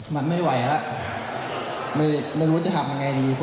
มันไม่ไหวหละไม่รู้จะทำไงดี